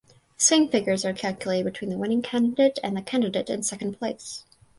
Swing figures are calculated between the winning candidate and the candidate in second place.